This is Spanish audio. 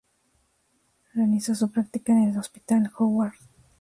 Realizó su práctica en el Hospital Howard.